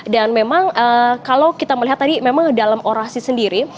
dan memang kalau kita melihat tadi memang dalam orasi sendiri